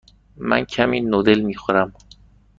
من کمی نودل می خورم.